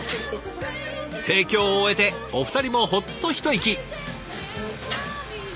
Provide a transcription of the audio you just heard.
提供を終えてお二人もほっと一息！